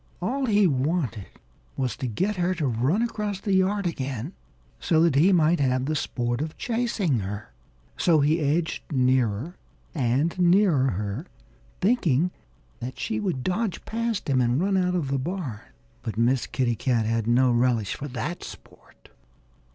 All he wanted was to get her to run across the yard again, so that he might have the sport of chasing her. So he edged nearer and nearer her, thinking that she would dodge past him and run out of the barn. But Miss Kitty Cat had no relish for that sport.